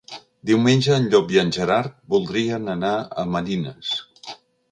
Diumenge en Llop i en Gerard voldrien anar a Marines.